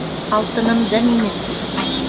Алтынымды минең!